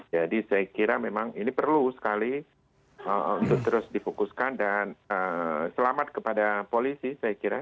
jadi saya kira memang ini perlu sekali untuk terus difokuskan dan selamat kepada polisi saya kira